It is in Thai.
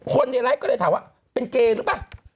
ในไลฟ์ก็เลยถามว่าเป็นเกย์หรือเปล่า